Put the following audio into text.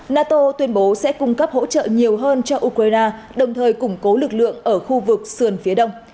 nato tuyên bố sẽ cung cấp hỗ trợ nhiều hơn cho ukraine đồng thời củng cố lực lượng ở khu vực sườn phía đông